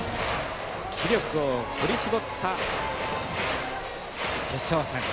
気力を振り絞った決勝戦。